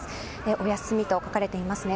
お休みと書かれていますね。